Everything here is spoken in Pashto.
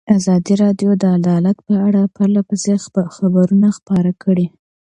ازادي راډیو د عدالت په اړه پرله پسې خبرونه خپاره کړي.